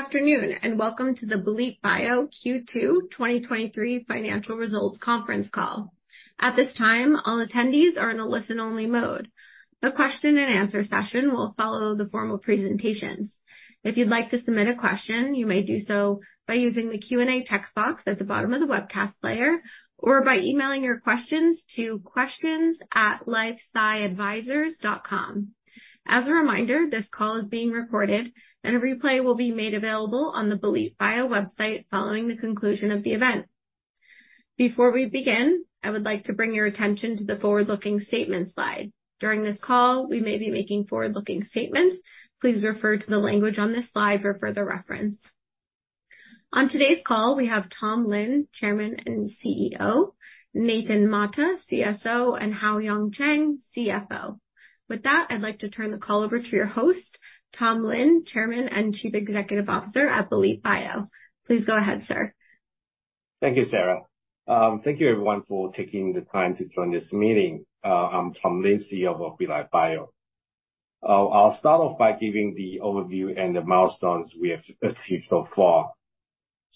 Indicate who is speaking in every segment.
Speaker 1: Good afternoon, welcome to the Belite Bio Q2 2023 financial results conference call. At this time, all attendees are in a listen-only mode. The question and answer session will follow the formal presentations. If you'd like to submit a question, you may do so by using the Q&A text box at the bottom of the webcast player or by emailing your questions to questions@lifesciadvisors.com. As a reminder, this call is being recorded and a replay will be made available on the Belite Bio website following the conclusion of the event. Before we begin, I would like to bring your attention to the forward-looking statement slide. During this call, we may be making forward-looking statements. Please refer to the language on this slide for further reference. On today's call, we have Tom Lin, Chairman and CEO, Nathan Mata, CSO, and Hao-Yuan Chuang, CFO. With that, I'd like to turn the call over to your host, Tom Lin, Chairman and Chief Executive Officer at Belite Bio. Please go ahead, sir.
Speaker 2: Thank you, Sarah. Thank you, everyone, for taking the time to join this meeting. I'm Tom Lin, CEO of Belite Bio. I'll start off by giving the overview and the milestones we have achieved so far.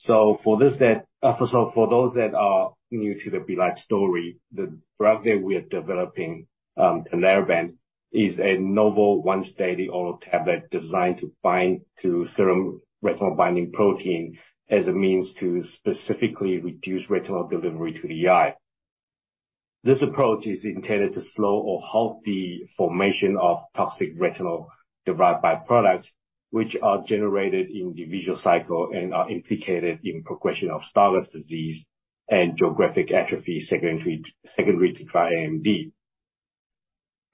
Speaker 2: For those that are new to the Belite story, the drug that we are developing, Tinlarebant, is a novel once-daily oral tablet designed to bind to serum retinol-binding protein as a means to specifically reduce retinol delivery to the eye. This approach is intended to slow or halt the formation of toxic retinol-derived byproducts, which are generated in the visual cycle and are implicated in progression of Stargardt disease and geographic atrophy, secondary to dry AMD.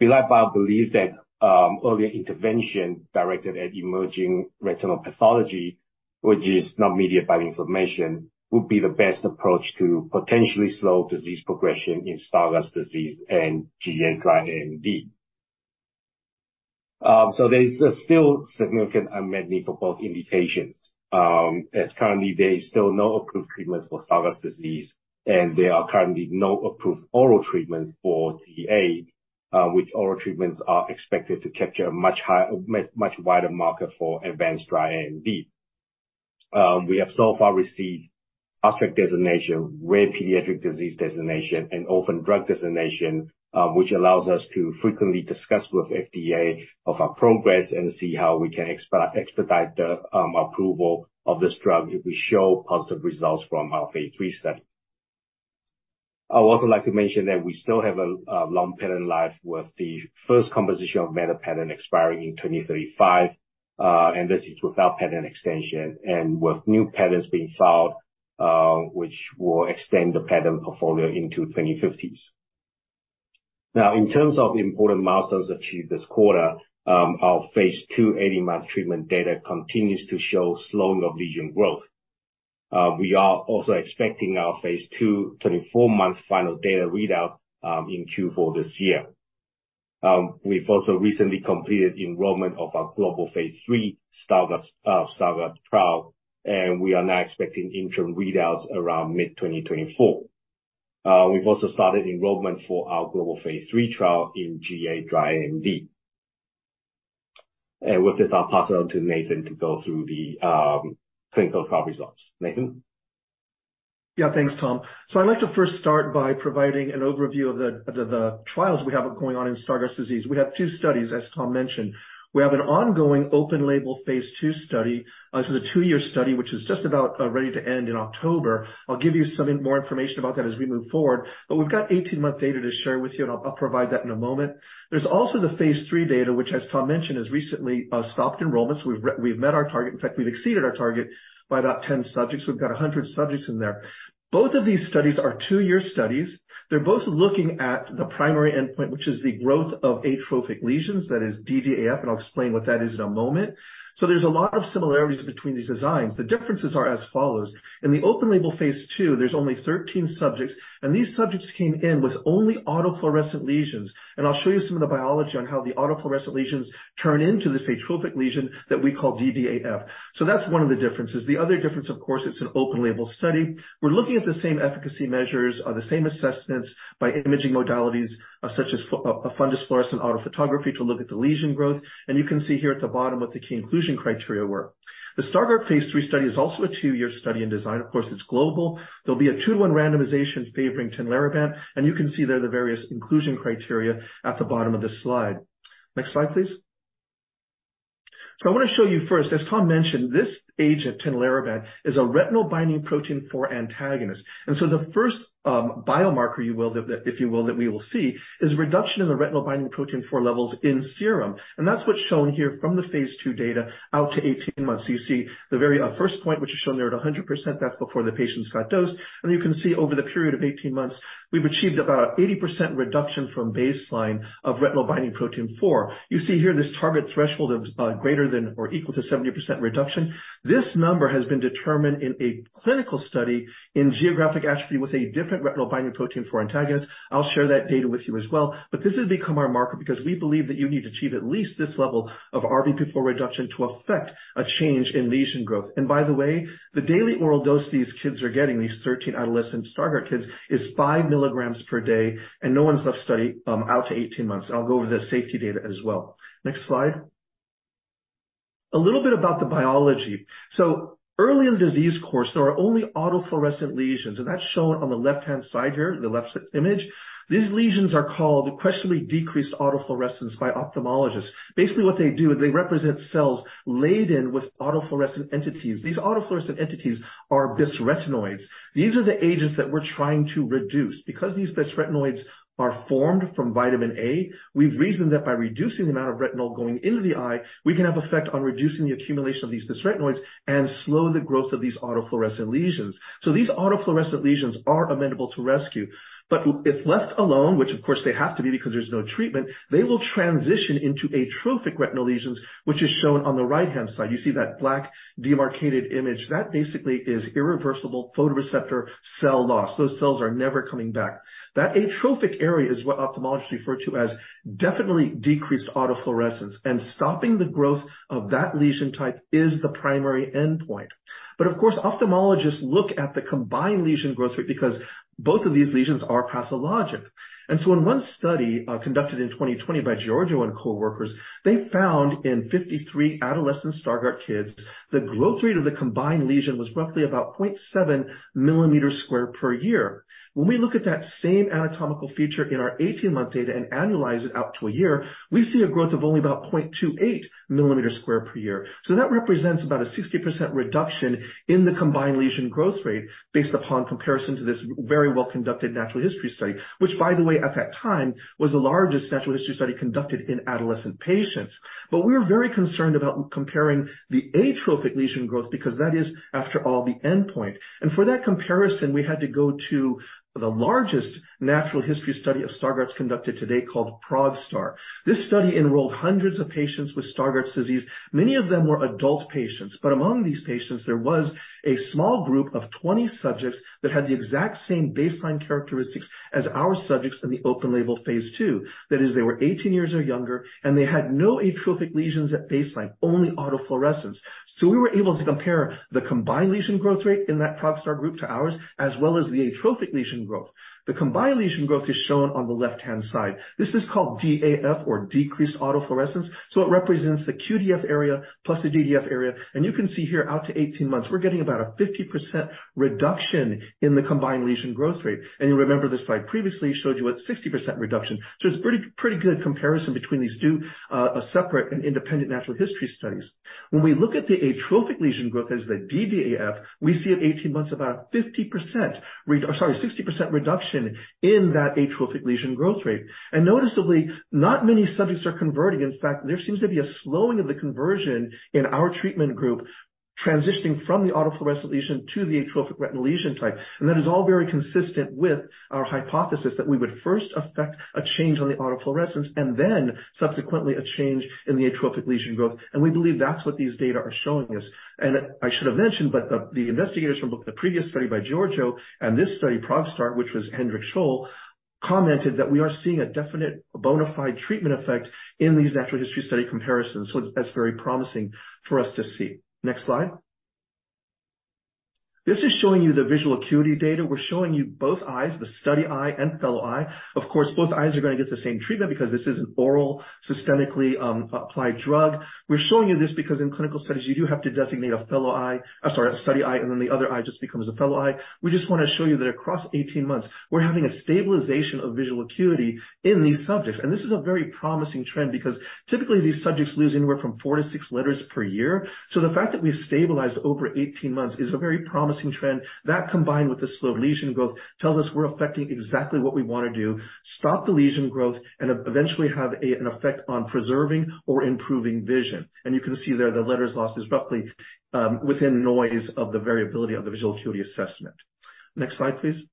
Speaker 2: Belite Bio believes that earlier intervention directed at emerging retinal pathology, which is not mediated by inflammation, would be the best approach to potentially slow disease progression in Stargardt disease and GA dry AMD. There's still significant unmet need for both indications. As currently, there is still no approved treatment for Stargardt disease, there are currently no approved oral treatments for GA. Which oral treatments are expected to capture a much wider market for advanced dry AMD. We have so far received Fast Track designation, Rare Pediatric Disease designation, and Orphan Drug designation, which allows us to frequently discuss with FDA of our progress and see how we can expedite the approval of this drug if we show positive results from our phase III study. I would also like to mention that we still have a long patent life with the first composition of matter patent expiring in 2035. This is without patent extension and with new patents being filed, which will extend the patent portfolio into 2050s. Now, in terms of important milestones achieved this quarter, our phase II 18-month treatment data continues to show slowing of lesion growth. We are also expecting our phase II 24-month final data readout in Q4 this year. We've also recently completed enrollment of our global phase III Stargardt, Stargardt trial, and we are now expecting interim readouts around mid-2024. We've also started enrollment for our global phase III trial in GA dry AMD. With this, I'll pass it on to Nathan to go through the clinical trial results. Nathan?
Speaker 3: Yeah, thanks, Tom. I'd like to first start by providing an overview of the trials we have going on in Stargardt disease. We have 2 studies, as Tom mentioned. We have an ongoing open label phase II study. The 2-year study, which is just about ready to end in October. I'll give you some more information about that as we move forward. We've got 18-month data to share with you, and I'll provide that in a moment. There's also the phase III data, which, as Tom mentioned, has recently stopped enrollment. We've met our target. In fact, we've exceeded our target by about 10 subjects. We've got 100 subjects in there. Both of these studies are 2-year studies. They're both looking at the primary endpoint, which is the growth of atrophic lesions, that is DDAF. I'll explain what that is in a moment. There's a lot of similarities between these designs. The differences are as follows: In the open label, phase II, there's only 13 subjects. These subjects came in with only autofluorescent lesions. I'll show you some of the biology on how the autofluorescent lesions turn into this atrophic lesion that we call DDAF. That's one of the differences. The other difference, of course, it's an open label study. We're looking at the same efficacy measures, the same assessments by imaging modalities such as fundus fluorescent autofluorescence photography to look at the lesion growth. You can see here at the bottom what the key inclusion criteria were. The Stargardt phase III study is also a 2-year study and design. Of course, it's global. There'll be a 2-1 randomization favoring Tinlarebant, and you can see there the various inclusion criteria at the bottom of this slide. Next slide, please. I want to show you first, as Tom mentioned, this agent, Tinlarebant, is a Retinol Binding Protein 4 antagonist. The first biomarker you will, if you will, that we will see is reduction in the Retinol Binding Protein 4 levels in serum. That's what's shown here from the phase II data out to 18 months. You see the very first point, which is shown there at 100%. That's before the patients got dosed. And you can see over the period of 18 months, we've achieved about 80% reduction from baseline of Retinol Binding Protein 4. You see here this target threshold of, greater than or equal to 70% reduction. This number has been determined in a clinical study in Geographic Atrophy with a different Retinol Binding Protein 4 antagonist. I'll share that data with you as well. This has become our marker because we believe that you need to achieve at least this level of RBP4 reduction to affect a change in lesion growth. By the way, the daily oral dose these kids are getting, these 13 adolescent Stargardt kids, is 5 milligrams per day, and no one's left study, out to 18 months. I'll go over the safety data as well. Next slide. A little bit about the biology. Early in the disease course, there are only autofluorescent lesions, and that's shown on the left-hand side here, the left image. These lesions are called questionably decreased autofluorescence by ophthalmologists. Basically, what they do is they represent cells laden with autofluorescent entities. These autofluorescent entities are bisretinoids. These are the agents that we're trying to reduce. Because these bisretinoids are formed from vitamin A, we've reasoned that by reducing the amount of retinol going into the eye, we can have effect on reducing the accumulation of these bisretinoids and slow the growth of these autofluorescent lesions. These autofluorescent lesions are amenable to rescue, but if left alone, which of course they have to be because there's no treatment, they will transition into atrophic retinal lesions, which is shown on the right-hand side. You see that black demarcated image, that basically is irreversible photoreceptor cell loss. Those cells are never coming back. That atrophic area is what ophthalmologists refer to as Definitely Decreased Autofluorescence, and stopping the growth of that lesion type is the primary endpoint. Of course, ophthalmologists look at the combined lesion growth rate because both of these lesions are pathologic. In one study, conducted in 2020 by Georgiou and coworkers, they found in 53 adolescent Stargardt kids, the growth rate of the combined lesion was roughly about 0.7 millimeters squared per year. When we look at that same anatomical feature in our 18-month data and annualize it out to a year, we see a growth of only about 0.28 millimeters squared per year. That represents about a 60% reduction in the combined lesion growth rate based upon comparison to this very well-conducted natural history study, which, by the way, at that time, was the largest natural history study conducted in adolescent patients. We were very concerned about comparing the atrophic lesion growth, because that is, after all, the endpoint. For that comparison, we had to go to the largest natural history study of Stargardt disease conducted today, called ProgStar. This study enrolled hundreds of patients with Stargardt disease. Many of them were adult patients, but among these patients, there was a small group of 20 subjects that had the exact same baseline characteristics as our subjects in the open label phase two. That is, they were 18 years or younger, and they had no atrophic lesions at baseline, only autofluorescence. We were able to compare the combined lesion growth rate in that ProgStar group to ours, as well as the atrophic lesion growth. The combined lesion growth is shown on the left-hand side. This is called DAF, or decreased autofluorescence, so it represents the QDF area plus the DDF area. You can see here out to 18 months, we're getting about a 50% reduction in the combined lesion growth rate. You remember this slide previously showed you a 60% reduction. It's pretty, pretty good comparison between these 2 separate and independent natural history studies. When we look at the atrophic lesion growth as the dDAF, we see at 18 months about 50% or sorry, 60% reduction in that atrophic lesion growth rate. Noticeably, not many subjects are converting. In fact, there seems to be a slowing of the conversion in our treatment group, transitioning from the autofluorescent lesion to the atrophic retinal lesion type. That is all very consistent with our hypothesis that we would first affect a change on the autofluorescence and then subsequently a change in the atrophic lesion growth. We believe that's what these data are showing us. I should have mentioned, but the, the investigators from both the previous study by Georgiou and this study, ProgStar, which was Hendrik Scholl, commented that we are seeing a definite bona fide treatment effect in these natural history study comparisons. That's very promising for us to see. Next slide. This is showing you the visual acuity data. We're showing you both eyes, the study eye and fellow eye. Of course, both eyes are going to get the same treatment because this is an oral, systemically, applied drug. We're showing you this because in clinical studies, you do have to designate a fellow eye, sorry, a study eye, and then the other eye just becomes a fellow eye. We just want to show you that across 18 months, we're having a stabilization of visual acuity in these subjects. This is a very promising trend because typically, these subjects lose anywhere from 4-6 letters per year. The fact that we've stabilized over 18 months is a very promising trend. That, combined with the slow lesion growth, tells us we're affecting exactly what we want to do, stop the lesion growth and eventually have an effect on preserving or improving vision. You can see there the letters lost is roughly within noise of the variability of the visual acuity assessment. Next slide, please.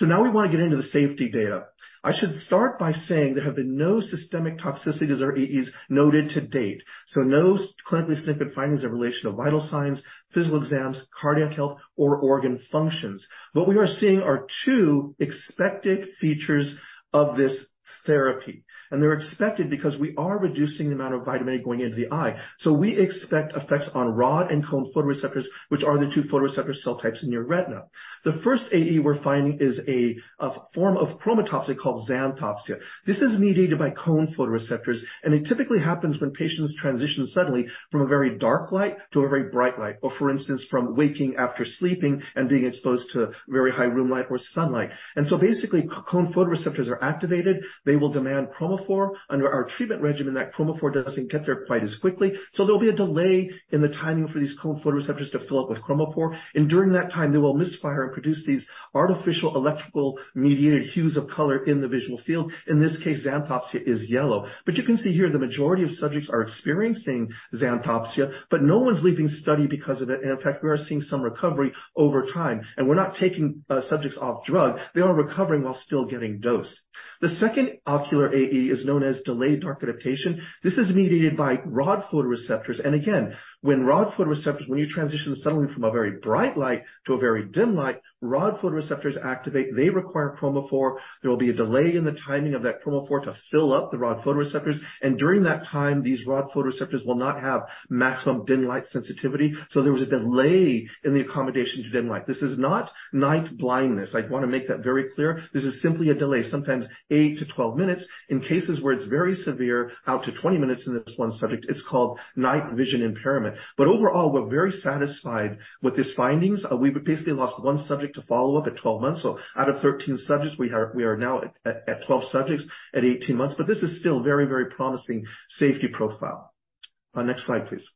Speaker 3: Now we want to get into the safety data. I should start by saying there have been no systemic toxicities or AEs noted to date, so no clinically significant findings in relation to vital signs, physical exams, cardiac health, or organ functions. What we are seeing are 2 expected features of this therapy, and they're expected because we are reducing the amount of vitamin A going into the eye. We expect effects on rod and cone photoreceptors, which are the 2 photoreceptor cell types in your retina. The 1st AE we're finding is a form of chromatopsia called xanthopsia. This is mediated by cone photoreceptors, and it typically happens when patients transition suddenly from a very dark light to a very bright light, or for instance, from waking after sleeping and being exposed to very high room light or sunlight. Basically, cone photoreceptors are activated. They will demand chromophore. Under our treatment regimen, that chromophore doesn't get there quite as quickly, so there will be a delay in the timing for these cone photoreceptors to fill up with chromophore, and during that time, they will misfire and produce these artificial electrical-mediated hues of color in the visual field. In this case, xanthopsia is yellow. You can see here the majority of subjects are experiencing xanthopsia, but no one's leaving study because of it. In fact, we are seeing some recovery over time, and we're not taking subjects off drug. They are recovering while still getting dosed. The second ocular AE is known as delayed dark adaptation. Again, when rod photoreceptors, when you transition suddenly from a very bright light to a very dim light, rod photoreceptors activate, they require chromophore. There will be a delay in the timing of that chromophore to fill up the rod photoreceptors, and during that time, these rod photoreceptors will not have maximum dim light sensitivity, so there is a delay in the accommodation to dim light. This is not night blindness. I want to make that very clear. This is simply a delay, sometimes 8-12 minutes, in cases where it's very severe, out to 20 minutes in this 1 subject, it's called night vision impairment. Overall, we're very satisfied with these findings. we basically lost 1 subject to follow-up at 12 months. Out of 13 subjects, we are, we are now at, at 12 subjects at 18 months, but this is still very, very promising safety profile. Next slide, please.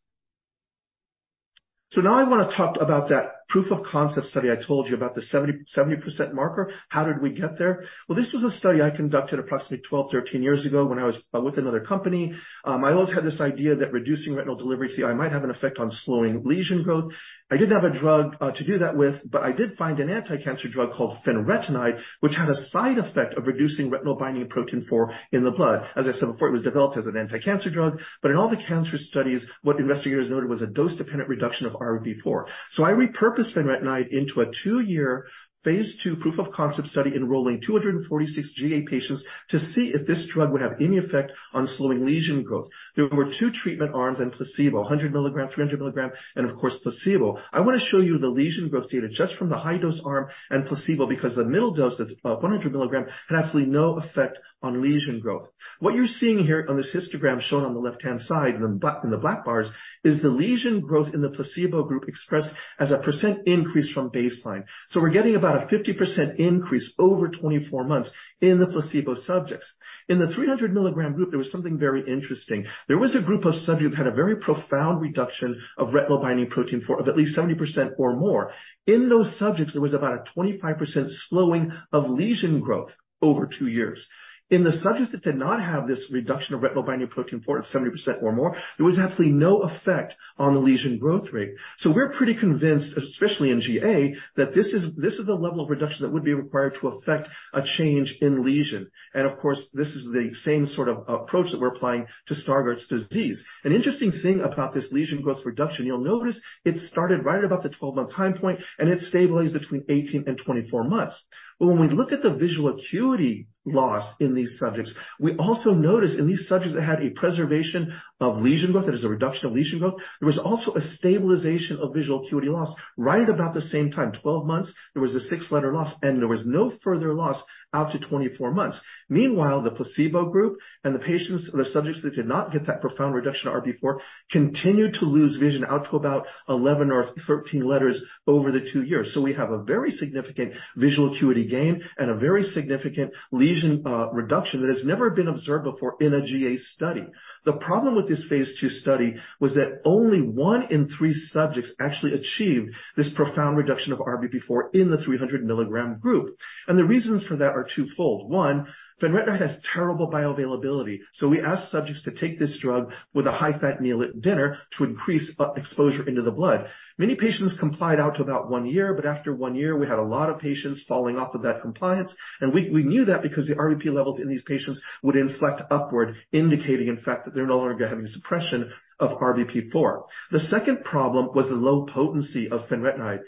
Speaker 3: Now I want to talk about that proof of concept study I told you about, the 70, 70% marker. How did we get there? Well, this was a study I conducted approximately 12, 13 years ago when I was, with another company. I always had this idea that reducing retinol delivery to the eye might have an effect on slowing lesion growth. I didn't have a drug, to do that with, but I did find an anticancer drug called fenretinide, which had a side effect of reducing Retinol Binding Protein 4 in the blood. As I said before, it was developed as an anticancer drug. In all the cancer studies, what investigators noted was a dose-dependent reduction of RBP4. I repurposed fenretinide into a 2-year phase II proof of concept study, enrolling 246 GA patients to see if this drug would have any effect on slowing lesion growth. There were 2 treatment arms and placebo, 100 mg, 300 mg, and of course, placebo. I want to show you the lesion growth data just from the high dose arm and placebo, because the middle dose, that's 100 mg, had absolutely no effect on lesion growth. What you're seeing here on this histogram, shown on the left-hand side in the black bars, is the lesion growth in the placebo group, expressed as a % increase from baseline. We're getting about a 50% increase over 24 months in the placebo subjects. In the 300 milligram group, there was something very interesting. There was a group of subjects who had a very profound reduction of Retinol Binding Protein 4 of at least 70% or more. In those subjects, there was about a 25% slowing of lesion growth over 2 years. In the subjects that did not have this reduction of Retinol Binding Protein 4 of 70% or more, there was absolutely no effect on the lesion growth rate. We're pretty convinced, especially in GA, that this is the level of reduction that would be required to effect a change in lesion. Of course, this is the same sort of approach that we're applying to Stargardt disease. An interesting thing about this lesion growth reduction, you'll notice it started right at about the 12-month time point, and it stabilized between 18 and 24 months. When we look at the visual acuity loss in these subjects, we also notice in these subjects that had a preservation of lesion growth, that is a reduction of lesion growth, there was also a stabilization of visual acuity loss right at about the same time. 12 months, there was a 6-letter loss, and there was no further loss out to 24 months. Meanwhile, the placebo group and the patients, or the subjects that did not get that profound reduction in RBP4, continued to lose vision out to about 11 or 13 letters over the 2 years. We have a very significant visual acuity gain and a very significant lesion reduction that has never been observed before in a GA study. The problem with this phase II study was that only one in three subjects actually achieved this profound reduction of RBP4 in the 300 milligram group, and the reasons for that are twofold. One, fenretinide has terrible bioavailability, so we asked subjects to take this drug with a high-fat meal at dinner to increase exposure into the blood. Many patients complied out to about 1 year, but after 1 year, we had a lot of patients falling off of that compliance, and we knew that because the RBP levels in these patients would inflect upward, indicating, in fact, that they're no longer having a suppression of RBP4. The second problem was the low potency of fenretinide.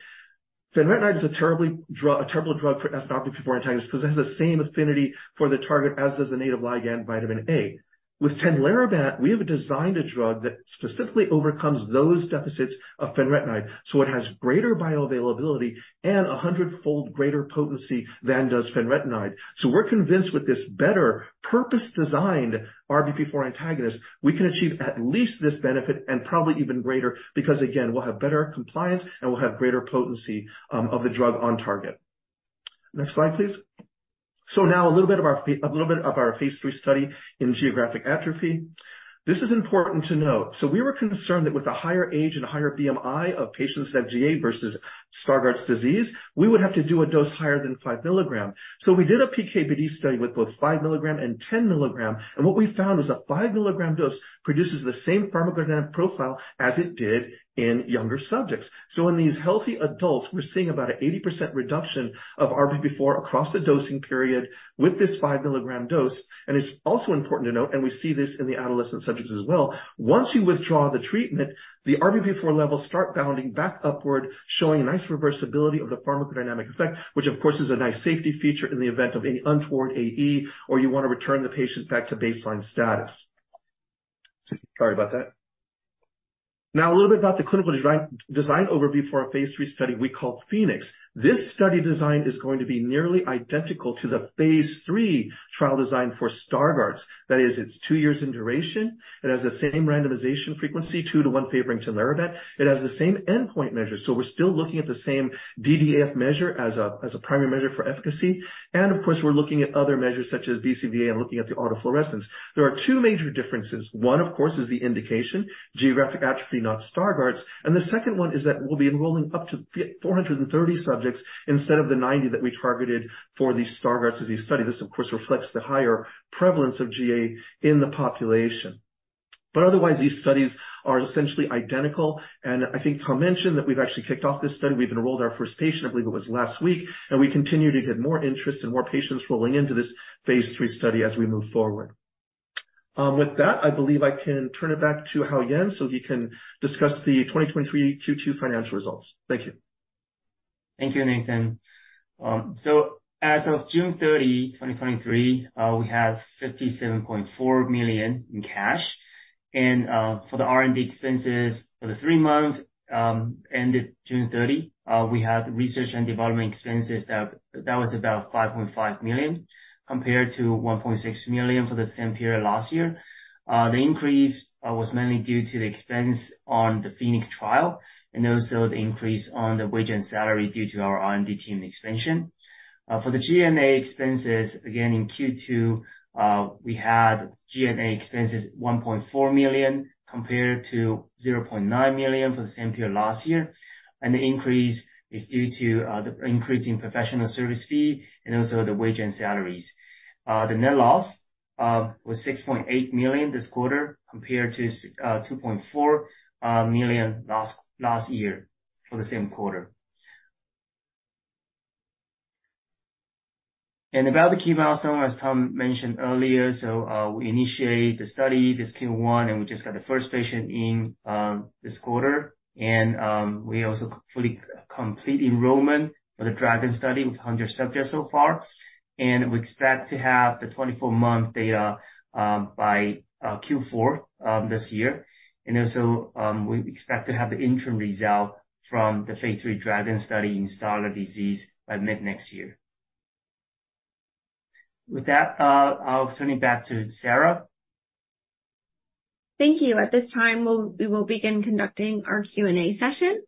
Speaker 3: fenretinide is a terrible drug for RBP4 antagonists because it has the same affinity for the target as does the native ligand vitamin A. With Tinlarebant, we have designed a drug that specifically overcomes those deficits of fenretinide, it has greater bioavailability and a 100-fold greater potency than does fenretinide. We're convinced, with this better purpose-designed RBP4 antagonist, we can achieve at least this benefit, and probably even greater, because, again, we'll have better compliance, and we'll have greater potency of the drug on target. Next slide, please. Now a little bit of our a little bit of our phase III study in Geographic Atrophy. This is important to note. We were concerned that with the higher age and higher BMI of patients that have GA versus Stargardt disease, we would have to do a dose higher than 5 milligram. We did a PK/PD study with both 5 milligram and 10 milligram, and what we found was a 5-milligram dose produces the same pharmacodynamic profile as it did in younger subjects. In these healthy adults, we're seeing about a 80% reduction of RBP4 across the dosing period with this 5-milligram dose. It's also important to note, and we see this in the adolescent subjects as well, once you withdraw the treatment, the RBP4 levels start bounding back upward, showing a nice reversibility of the pharmacodynamic effect, which of course is a nice safety feature in the event of any untoward AE, or you want to return the patient back to baseline status. Sorry about that. Now, a little bit about the clinical design overview for our phase III study we call PHOENIX. This study design is going to be nearly identical to the phase III trial design for Stargardt's. That is, it's 2 years in duration. It has the same randomization frequency, 2-1 favoring Tinlarebant. It has the same endpoint measures, we're still looking at the same DDAF measure as a primary measure for efficacy. Of course, we're looking at other measures such as BCVA and looking at the autofluorescence. There are 2 major differences. One, of course, is the indication, Geographic Atrophy, not Stargardt's. The second one is that we'll be enrolling up to 430 subjects instead of the 90 that we targeted for the Stargardt disease study. This, of course, reflects the higher prevalence of GA in the population. Otherwise, these studies are essentially identical, and I think Tom mentioned that we've actually kicked off this study. We've enrolled our first patient, I believe it was last week, and we continue to get more interest and more patients rolling into this phase III study as we move forward. With that, I believe I can turn it back to Haoyuan so he can discuss the 2023 Q2 financial results. Thank you.
Speaker 4: Thank you, Nathan. As of June 30, 2023, we have $57.4 million in cash. For the R&D expenses for the three-month ended June 30, we had research and development expenses that was about $5.5 million, compared to $1.6 million for the same period last year. The increase was mainly due to the expense on the PHOENIX trial and also the increase on the wage and salary due to our R&D team expansion. For the G&A expenses, again, in Q2, we had G&A expenses $1.4 million compared to $0.9 million for the same period last year. The increase is due to the increase in professional service fee and also the wage and salaries. The net loss... was $6.8 million this quarter, compared to $2.4 million last year for the same quarter. About the key milestone, as Tom mentioned earlier, we initiate the study, this Q1, and we just got the first patient in this quarter. We also fully complete enrollment for the DRAGON study with 100 subjects so far, and we expect to have the 24-month data by Q4 this year. Also, we expect to have the interim result from the phase III DRAGON study in Stargardt disease by mid-next year. With that, I'll turn it back to Sarah.
Speaker 1: Thank you. At this time, we will begin conducting our Q&A session.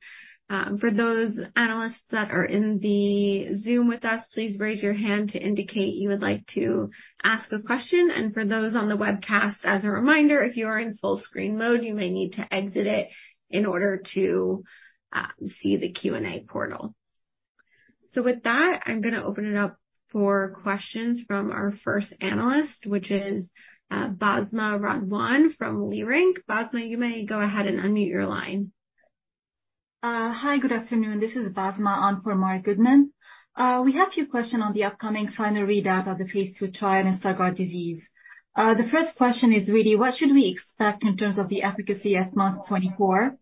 Speaker 1: For those analysts that are in the Zoom with us, please raise your hand to indicate you would like to ask a question. For those on the webcast, as a reminder, if you are in full screen mode, you may need to exit it in order to see the Q&A portal. With that, I'm gonna open it up for questions from our first analyst, which is Basma Radwan from Leerink. Basma, you may go ahead and unmute your line.
Speaker 5: Hi, good afternoon. This is Basma on for Marc Goodman. We have a few questions on the upcoming final readout of the phase II trial in Stargardt disease. The first question is, really, what should we expect in terms of the efficacy at month 24?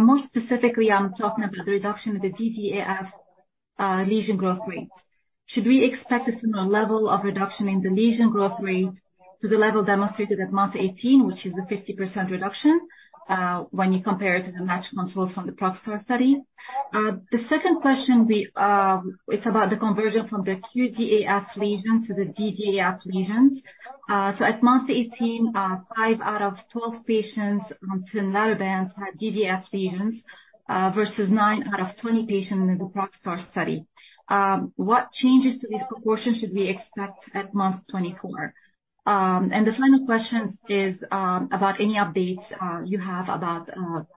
Speaker 5: More specifically, I'm talking about the reduction of the DDAF lesion growth rate. Should we expect a similar level of reduction in the lesion growth rate to the level demonstrated at month 18, which is a 50% reduction, when you compare it to the matched controls from the ProgStar study? The second question, it's about the conversion from the QDAF lesion to the DDAF lesions. At month 18, 5 out of 12 patients on lumigan had DDAF lesions, versus 9 out of 20 patients in the ProgStar study. What changes to this proportion should we expect at month 24? The final question is about any updates you have about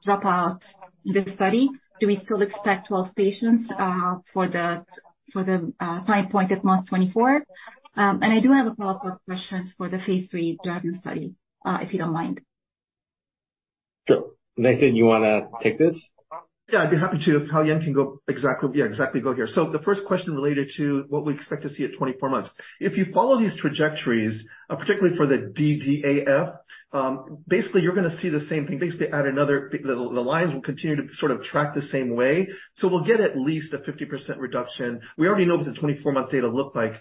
Speaker 5: dropout in the study. Do we still expect 12 patients for the, for the time point at month 24? I do have a follow-up question for the phase III DRAGON study, if you don't mind.
Speaker 4: Sure. Nathan, you wanna take this?
Speaker 3: Yeah, I'd be happy to, if Hao-Yuan can go exactly, yeah, exactly go here. The first question related to what we expect to see at 24 months. If you follow these trajectories, particularly for the DDAF, basically you're gonna see the same thing. Basically, the lines will continue to sort of track the same way, so we'll get at least a 50% reduction. We already know what the 24-month data look like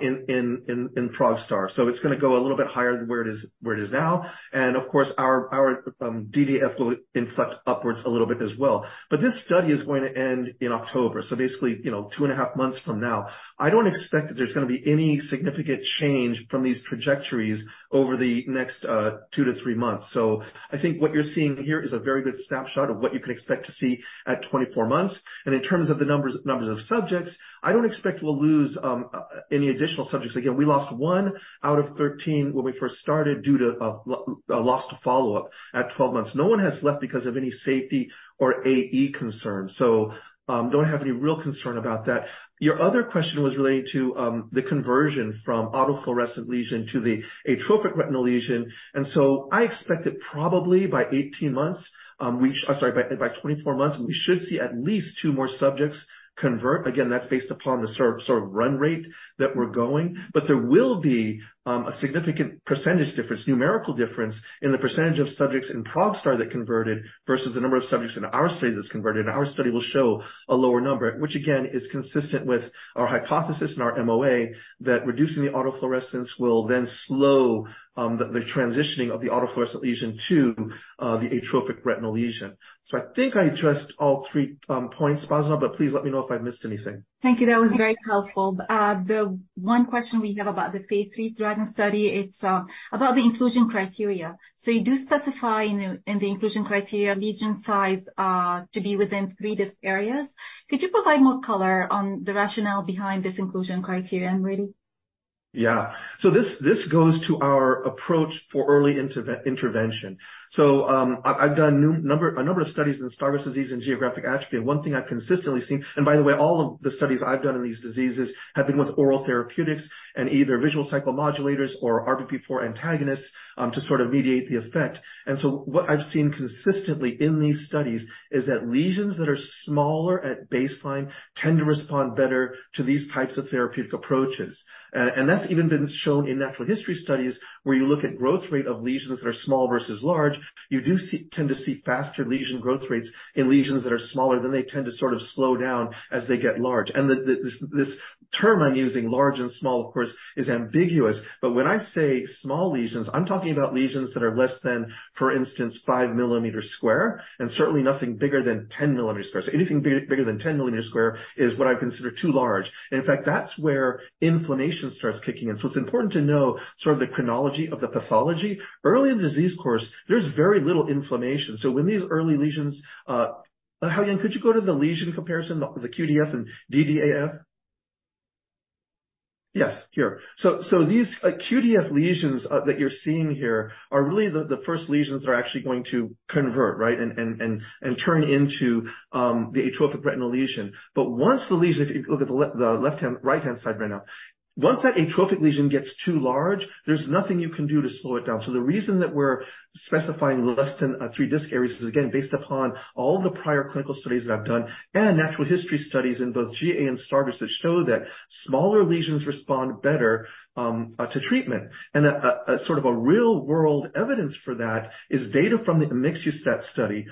Speaker 3: in ProgStar, so it's gonna go a little bit higher than where it is, where it is now. Of course, our DDAF will inflect upwards a little bit as well. But this study is going to end in October, so basically, you know, 2.5 months from now. I don't expect that there's gonna be any significant change from these trajectories over the next 2-3 months. I think what you're seeing here is a very good snapshot of what you can expect to see at 24 months. In terms of the numbers, numbers of subjects, I don't expect we'll lose any additional subjects. Again, we lost 1 out of 13 when we first started due to l- a lost to follow-up at 12 months. No one has left because of any safety or AE concerns, so don't have any real concern about that. Your other question was relating to the conversion from autofluorescent lesion to the atrophic retinal lesion, I expect that probably by 18 months, we- sorry, by, by 24 months, we should see at least 2 more subjects convert. That's based upon the sort of, sort of run rate that we're going. There will be a significant percentage difference, numerical difference in the percentage of subjects in ProgStar that converted versus the number of subjects in our study that's converted. Our study will show a lower number, which again, is consistent with our hypothesis and our MOA, that reducing the autofluorescence will then slow the transitioning of the autofluorescent lesion to the atrophic retinal lesion. I think I addressed all three points, Basma, but please let me know if I missed anything.
Speaker 5: Thank you. That was very helpful. The one question we have about the Phase 3 DRAGON study, it's about the inclusion criteria. You do specify in the, in the inclusion criteria, lesion size, to be within 3 disc areas. Could you provide more color on the rationale behind this inclusion criterion, really?
Speaker 3: Yeah. This, this goes to our approach for early intervention. I've, I've done number, a number of studies in Stargardt disease and geographic atrophy, and one thing I've consistently seen. By the way, all of the studies I've done on these diseases have been with oral therapeutics and either visual cycle modulators or RBP4 antagonists to sort of mediate the effect. What I've seen consistently in these studies is that lesions that are smaller at baseline tend to respond better to these types of therapeutic approaches. That's even been shown in natural history studies, where you look at growth rate of lesions that are small versus large. You do tend to see faster lesion growth rates in lesions that are smaller, then they tend to sort of slow down as they get large. The term I'm using, large and small, of course, is ambiguous, but when I say small lesions, I'm talking about lesions that are less than, for instance, five millimeters square, and certainly nothing bigger than 10 millimeters square. Anything bigger than 10 millimeters square is what I consider too large. In fact, that's where inflammation starts kicking in. It's important to know sort of the chronology of the pathology. Early in the disease course, there's very little inflammation, so when these early lesions, Hao-Yuan, could you go to the lesion comparison, the QDAF and DDAF? Yes, here. These QDAF lesions that you're seeing here are really the first lesions that are actually going to convert, right? Turn into the atrophic retinal lesion. Once the lesion, if you look at the left-hand, right-hand side right now, once that atrophic lesion gets too large, there's nothing you can do to slow it down. The reason that we're specifying less than 3 disc areas is, again, based upon all the prior clinical studies that I've done, and natural history studies in both GA and Stargardt's, that show that smaller lesions respond better to treatment. A sort of a real-world evidence for that is data from the Emixustat study.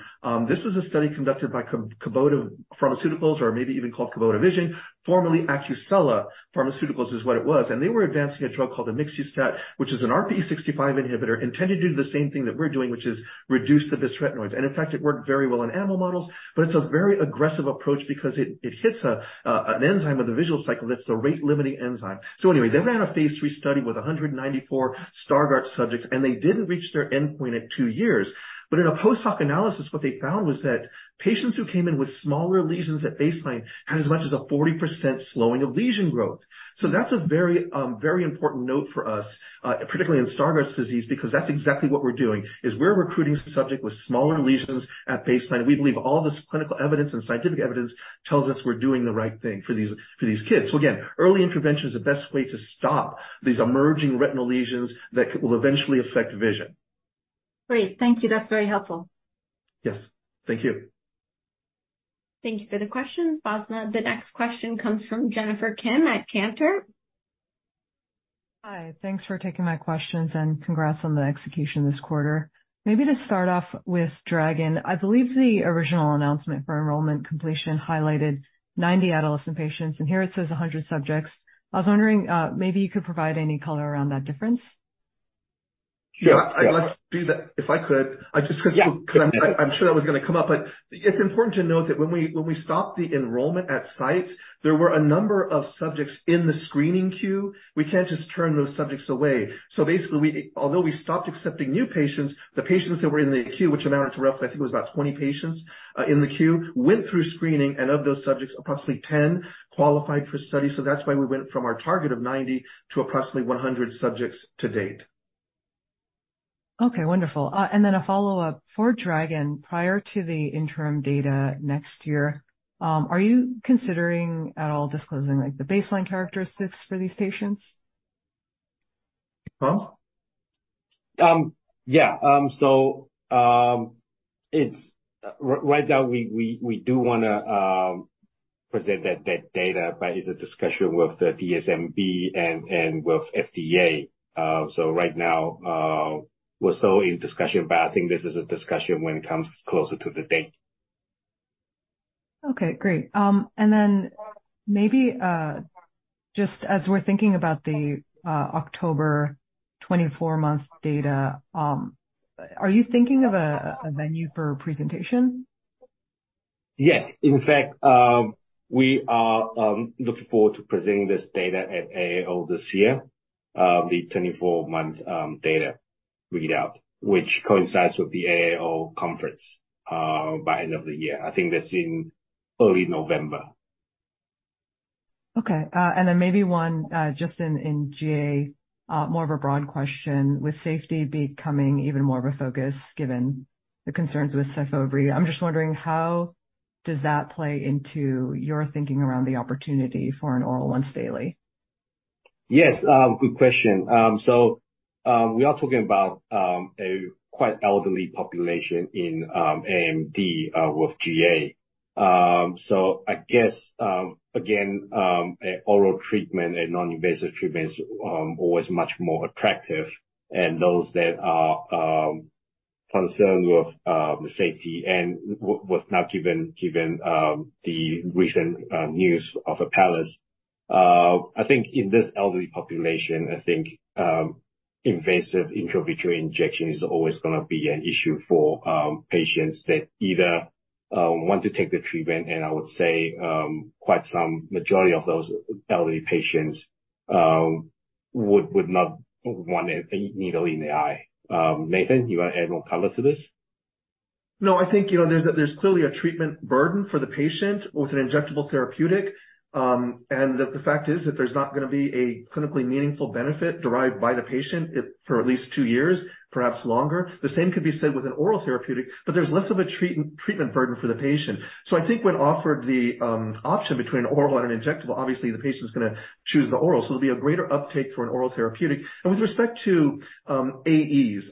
Speaker 3: This is a study conducted by Kubota Pharmaceuticals, or maybe even called Kubota Vision, formerly Acucela Pharmaceuticals, is what it was. They were advancing a drug called Emixustat, which is an RPE65 inhibitor, intended to do the same thing that we're doing, which is reduce the bisretinoids. In fact, it worked very well in animal models, but it's a very aggressive approach because it, it hits an enzyme of the visual cycle that's the rate-limiting enzyme. Anyway, they ran a phase III study with 194 Stargardt subjects, and they didn't reach their endpoint at two years. In a post hoc analysis, what they found was that patients who came in with smaller lesions at baseline had as much as a 40% slowing of lesion growth. That's a very, very important note for us, particularly in Stargardt disease, because that's exactly what we're doing, is we're recruiting subjects with smaller lesions at baseline. We believe all this clinical evidence and scientific evidence tells us we're doing the right thing for these, for these kids. Again, early intervention is the best way to stop these emerging retinal lesions that will eventually affect vision.
Speaker 6: Great. Thank you. That's very helpful.
Speaker 3: Yes. Thank you.
Speaker 1: Thank you for the questions, Basma. The next question comes from Jennifer Kim at Cantor.
Speaker 7: Hi. Thanks for taking my questions. Congrats on the execution this quarter. Maybe to start off with DRAGON, I believe the original announcement for enrollment completion highlighted 90 adolescent patients, and here it says 100 subjects. I was wondering, maybe you could provide any color around that difference?
Speaker 3: Yeah, I'd love to do that, if I could. I just-
Speaker 7: Yeah.
Speaker 3: I'm sure that was going to come up, it's important to note that when we, when we stopped the enrollment at sites, there were a number of subjects in the screening queue. We can't just turn those subjects away. Basically, we-- although we stopped accepting new patients, the patients that were in the queue, which amounted to roughly, I think it was about 20 patients in the queue, went through screening, and of those subjects, approximately 10 qualified for study. That's why we went from our target of 90 to approximately 100 subjects to date.
Speaker 7: Okay, wonderful. A follow-up. For DRAGON, prior to the interim data next year, are you considering at all disclosing, like, the baseline characteristics for these patients?
Speaker 3: Paul?
Speaker 2: Yeah. It's right now, we, we, we do wanna present that, that data, but it's a discussion with the DSMB and, and with FDA. Right now, we're still in discussion, but I think this is a discussion when it comes closer to the date.
Speaker 7: Okay, great. Then maybe, just as we're thinking about the October 24-month data, are you thinking of a, a venue for presentation?
Speaker 2: Yes. In fact, we are looking forward to presenting this data at AAO this year. The 24-month data readout, which coincides with the AAO conference, by end of the year. I think that's in early November.
Speaker 7: Okay. Maybe one just in GA, more of a broad question. With safety becoming even more of a focus, given the concerns with Syfovre, I'm just wondering, how does that play into your thinking around the opportunity for an oral once daily?
Speaker 2: Yes, good question. We are talking about a quite elderly population in AMD, with GA. I guess, again, a oral treatment, a non-invasive treatment is always much more attractive and those that are concerned with the safety and with now given, given, the recent news of Apellis. I think in this elderly population, I think, invasive intravitreal injection is always gonna be an issue for patients that either want to take the treatment, and I would say, quite some majority of those elderly patients would, would not want a needle in the eye. Nathan, you want to add more color to this?
Speaker 3: No, I think, you know, there's a, there's clearly a treatment burden for the patient with an injectable therapeutic. That the fact is that there's not gonna be a clinically meaningful benefit derived by the patient for at least two years, perhaps longer. The same could be said with an oral therapeutic, but there's less of a treatment burden for the patient. I think when offered the option between oral and an injectable, obviously the patient is gonna choose the oral, so there'll be a greater uptake for an oral therapeutic. With respect to AEs,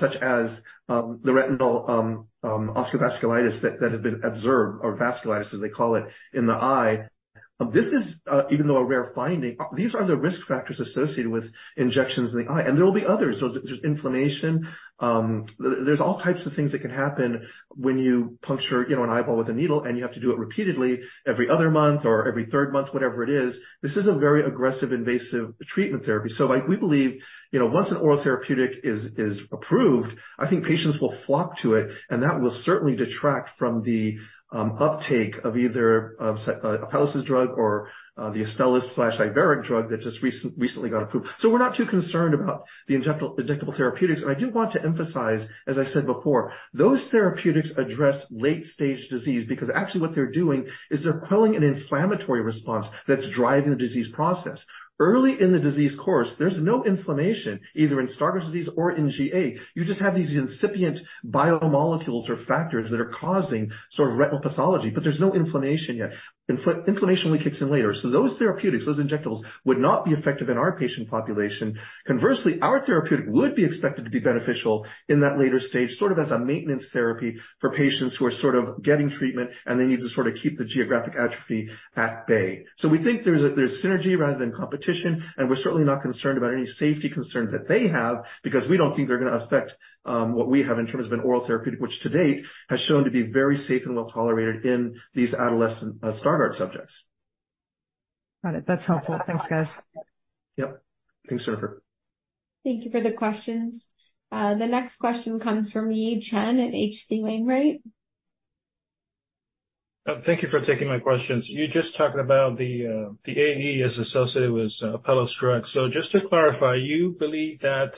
Speaker 3: such as the retinal vasculitis that have been observed, or vasculitis, as they call it, in the eye. This is, even though a rare finding, these are the risk factors associated with injections in the eye, and there will be others. There's, there's inflammation, there's all types of things that can happen when you puncture, you know, an eyeball with a needle, and you have to do it repeatedly every other month or every third month, whatever it is. This is a very aggressive, invasive treatment therapy. Like, we believe, you know, once an oral therapeutic is, is approved, I think patients will flock to it, and that will certainly detract from the uptake of either of Apellis' drug or the Astellas/Iveric drug that just recently got approved. We're not too concerned about the injectable therapeutics. I do want to emphasize, as I said before, those therapeutics address late-stage disease because actually what they're doing is they're quelling an inflammatory response that's driving the disease process. Early in the disease course, there's no inflammation, either in Stargardt disease or in GA. You just have these incipient biomolecules or factors that are causing sort of retinal pathology, but there's no inflammation yet. Inflammation only kicks in later. Those therapeutics, those injectables, would not be effective in our patient population. Conversely, our therapeutic would be expected to be beneficial in that later stage, sort of as a maintenance therapy for patients who are sort of getting treatment, and they need to sort of keep the Geographic Atrophy at bay. We think there's a, there's synergy rather than competition, and we're certainly not concerned about any safety concerns that they have because we don't think they're gonna affect what we have in terms of an oral therapeutic. Which to date, has shown to be very safe and well-tolerated in these adolescent Stargardt subjects.
Speaker 7: Got it. That's helpful. Thanks, guys.
Speaker 3: Yep. Thanks, Jennifer.
Speaker 1: Thank you for the questions. The next question comes from Yi Chen at H.C. Wainwright.
Speaker 8: Thank you for taking my questions. You just talked about the, the AE as associated with Apellis drugs. Just to clarify, you believe that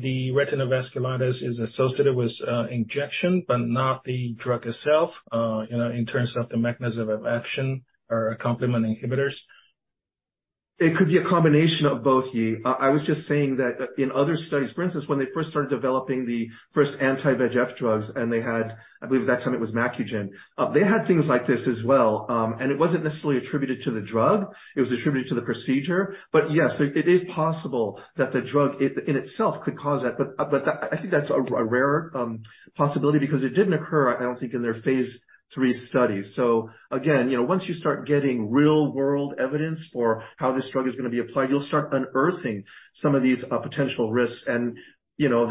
Speaker 8: the retinal vasculitis is associated with injection, but not the drug itself, you know, in terms of the mechanism of action or complement inhibitors?
Speaker 3: It could be a combination of both, Yi. I, I was just saying that in other studies. For instance, when they first started developing the first anti-VEGF drugs, they had, I believe at that time it was Macugen, they had things like this as well. It wasn't necessarily attributed to the drug. It was attributed to the procedure. Yes, it is possible that the drug in itself could cause that. But that, I think that's a rare possibility because it didn't occur, I don't think, in their phase three study. Again, you know, once you start getting real-world evidence for how this drug is gonna be applied, you'll start unearthing some of these potential risks. You know,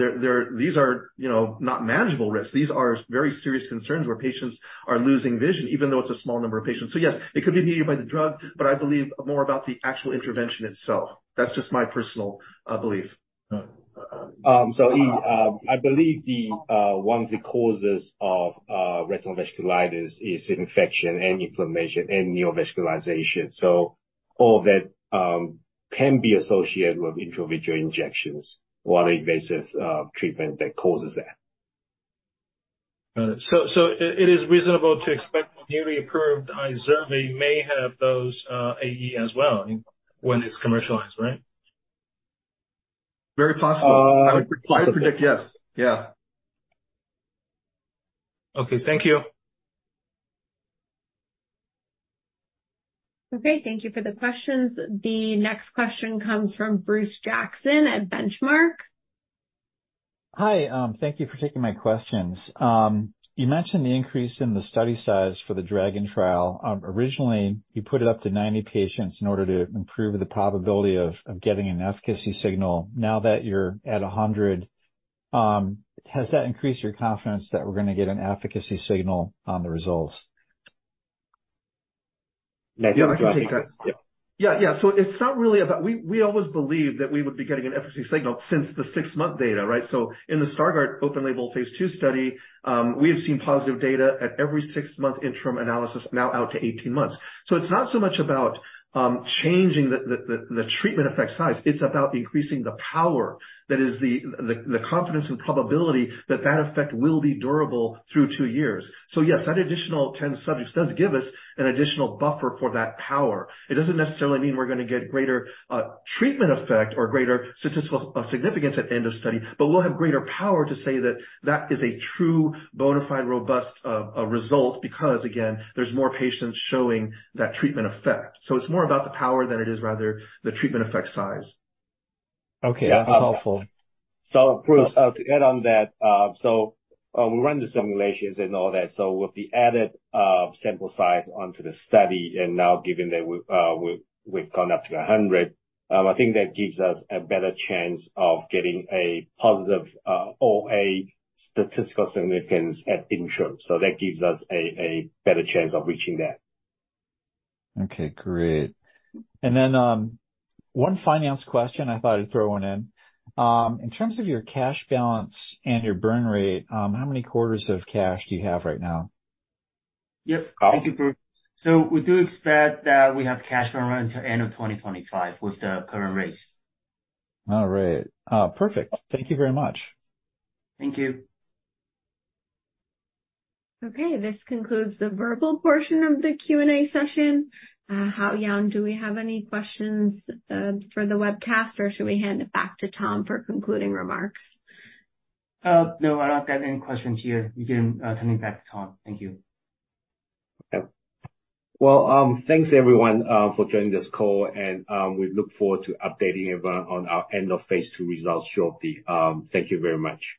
Speaker 3: these are, you know, not manageable risks. These are very serious concerns where patients are losing vision, even though it's a small number of patients. Yes, it could be aided by the drug, but I believe more about the actual intervention itself. That's just my personal belief.
Speaker 8: All right.
Speaker 2: Yi, I believe the one of the causes of retinal vasculitis is infection and inflammation and neovascularization. All of that can be associated with intravitreal injections or invasive treatment that causes that.
Speaker 8: It is reasonable to expect the newly approved Izervay may have those, AE as well, I mean, when it's commercialized, right?
Speaker 3: Very possible.
Speaker 2: Uh-
Speaker 3: I would predict yes. Yeah.
Speaker 8: Okay. Thank you.
Speaker 1: Okay. Thank you for the questions. The next question comes from Bruce Jackson at Benchmark.
Speaker 9: Hi, thank you for taking my questions. You mentioned the increase in the study size for the DRAGON trial. Originally, you put it up to 90 patients in order to improve the probability of, of getting an efficacy signal. Now that you're at 100, has that increased your confidence that we're gonna get an efficacy signal on the results?
Speaker 2: Yeah, I can take that.
Speaker 3: Yeah. Yeah, yeah. It's not really about- we, we always believed that we would be getting an efficacy signal since the 6-month data, right? In the Stargardt open label phase II study, we have seen positive data at every 6-month interim analysis, now out to 18 months. It's not so much about changing the, the, the, the treatment effect size, it's about increasing the power, that is, the, the, the confidence and probability that that effect will be durable through 2 years. Yes, that additional 10 subjects does give us an additional buffer for that power. It doesn't necessarily mean we're gonna get greater treatment effect or greater statistical significance at end of study, but we'll have greater power to say that that is a true, bona fide, robust result. Because, again, there's more patients showing that treatment effect. It's more about the power than it is rather the treatment effect size.
Speaker 9: Okay. That's helpful.
Speaker 2: Bruce, to add on that, so, we ran the simulations and all that, so with the added sample size onto the study, and now given that we, we, we've gone up to 100, I think that gives us a better chance of getting a positive, or a statistical significance at interim. That gives us a, a better chance of reaching that.
Speaker 9: Okay, great. One finance question I thought I'd throw 1 in. In terms of your cash balance and your burn rate, how many quarters of cash do you have right now?
Speaker 2: Yes. Thank you, Bruce. We do expect that we have cash burn rate to end of 2025 with the current rates.
Speaker 9: All right. perfect. Thank you very much.
Speaker 2: Thank you.
Speaker 1: Okay, this concludes the verbal portion of the Q&A session. Hao-Yuan, do we have any questions for the webcast, or should we hand it back to Tom for concluding remarks?
Speaker 4: No, I don't have any questions here. You can turn it back to Tom. Thank you.
Speaker 2: Okay. Well, thanks, everyone, for joining this call, and, we look forward to updating everyone on our end of phase II results shortly. Thank you very much.